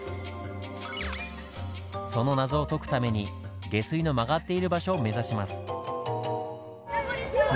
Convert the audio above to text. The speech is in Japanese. その謎を解くために下水の曲がっている場所を目指します。